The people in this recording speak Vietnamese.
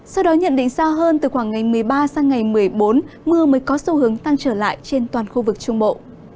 sau đó nhận định xa hơn từ khoảng ngày một mươi ba sang ngày một mươi bốn mưa mới có xu hướng tăng trở lại trên toàn khu vực trung bộ